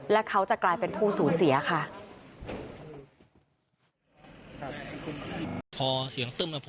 แล้วก็ได้คุยกับนายวิรพันธ์สามีของผู้ตายที่ว่าโดนกระสุนเฉียวริมฝีปากไปนะคะ